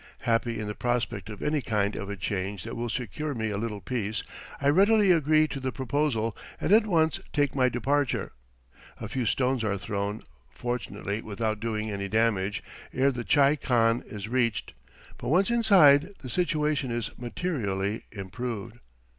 Happy in the prospect of any kind of a change that will secure me a little peace, I readily agree to the proposal and at once take my departure. A few stones are thrown, fortunately without doing any damage, ere the tchai khan is reached; but once inside, the situation is materially improved.